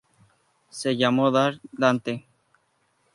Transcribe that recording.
Se llamó Dark Dante.